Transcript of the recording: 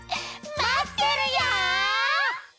まってるよ！